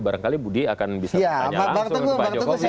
barangkali budi akan bisa bertanya langsung ke pak jokowi